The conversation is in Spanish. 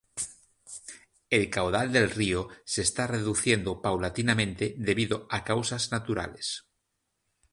El caudal del río se está reduciendo paulatinamente debido a causas naturales.